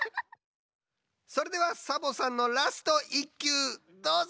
それではサボさんのラスト１きゅうどうぞ！